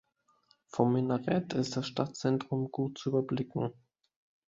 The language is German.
Vom Minarett ist das Stadtzentrum gut zu überblicken.